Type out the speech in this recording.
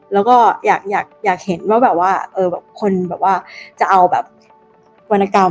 แล้วก็อยากเห็นว่าคนจะเอาวรรณกรรม